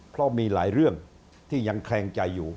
เพราะมีหลายเรื่องที่ยังแคลงใจอยู่